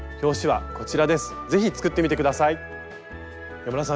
山田さん